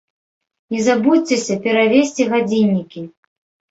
Не забудзьцеся перавесці гадзіннікі!